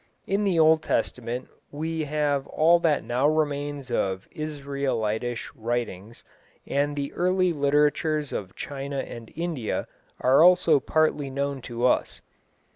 In the Old Testament we have all that now remains of Israelitish writings, and the early literatures of China and India are also partly known to us.